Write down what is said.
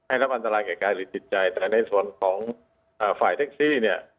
รับอันตรายแก่กายหรือจิตใจแต่ในส่วนของฝ่ายแท็กซี่เนี่ย